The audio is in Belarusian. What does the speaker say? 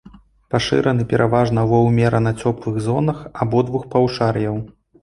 Пашыраны пераважна ва ўмерана цёплых зонах абодвух паўшар'яў.